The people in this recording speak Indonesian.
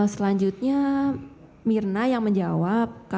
selanjutnya myrna yang menjawab